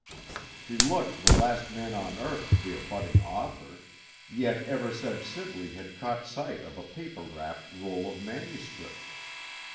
He looked the last man on earth to be a budding author; yet Eversedge Sibley had caught sight of a paper wrapped roll of manuscript.